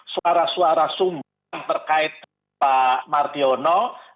suara suara sumber yang berkait pak mardiono